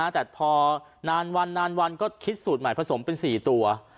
แต่พอนานวันนานวันก็คิดสูตรใหม่ผสมเป็น๔ตัว